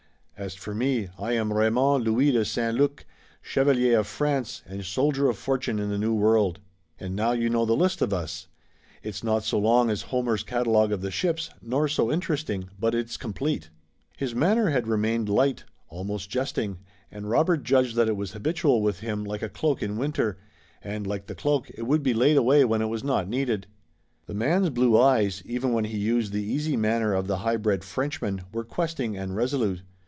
As for me, I am Raymond Louis de St. Luc, Chevalier of France and soldier of fortune in the New World. And now you know the list of us. It's not so long as Homer's catalogue of the ships, nor so interesting, but it's complete." His manner had remained light, almost jesting, and Robert judged that it was habitual with him like a cloak in winter, and, like the cloak, it would be laid away when it was not needed. The man's blue eyes, even when he used the easy manner of the high bred Frenchman, were questing and resolute.